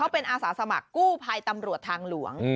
เป็นอาสาสมัครกู้ภัยตำรวจทางหลวง